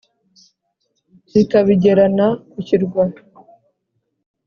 Zikabigerana ku kirwa,